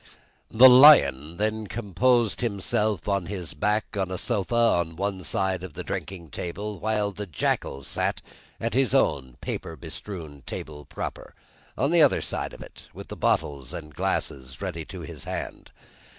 The lion then composed himself on his back on a sofa on one side of the drinking table, while the jackal sat at his own paper bestrewn table proper, on the other side of it, with the bottles and glasses ready to his hand.